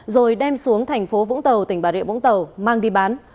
rồi đem xuống thành phố vũng tàu tỉnh bà rịa vũng tàu mang đi bán